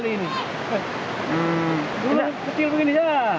ini besar sekali ini